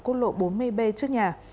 cốt lộ bốn mươi b trước nhà